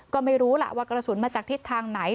ก็ไม่รู้ล่ะว่ากระสุนมาจากทิศทางไหน